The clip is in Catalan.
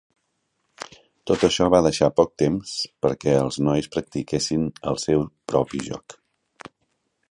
Tot això va deixar poc temps perquè els nois practiquessin el seu propi joc.